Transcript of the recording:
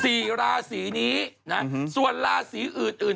สี่ราศีนี้นะส่วนราศีอื่นอื่น